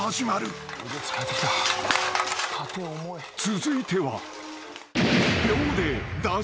［続いては］